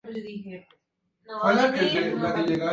Podemos anunciar un enorme talento.